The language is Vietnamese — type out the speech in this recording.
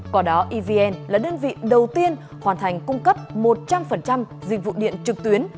còn đó evn là đơn vị đầu tiên hoàn thành cung cấp một trăm linh dịch vụ điện trực tuyến